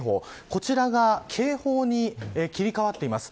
こちらが警報に切り替わっています。